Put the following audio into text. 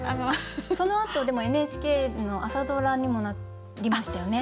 そのあとでもＮＨＫの朝ドラにもなりましたよね。